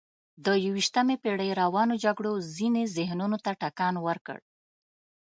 د یویشتمې پېړۍ روانو جګړو ځینو ذهنونو ته ټکان ورکړ.